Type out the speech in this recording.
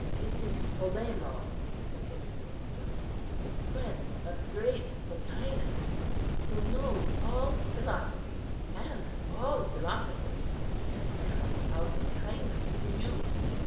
"It is Polemo," continued Aristo, "the friend of the great Plotinus, who knows all philosophies and all philosophers. He has come out of kindness to you."